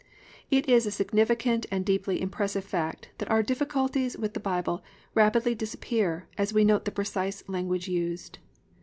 It is a significant and deeply impressive fact that our difficulties with the Bible rapidly disappear as we note the precise language used.